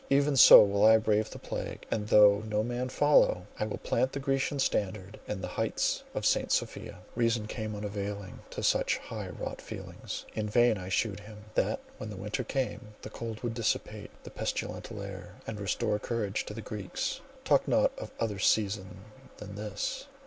Even so will I brave the plague—and though no man follow, I will plant the Grecian standard on the height of St. Sophia." Reason came unavailing to such high wrought feelings. In vain I shewed him, that when winter came, the cold would dissipate the pestilential air, and restore courage to the Greeks. "Talk not of other season than this!"